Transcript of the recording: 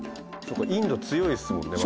インド強いですもんね。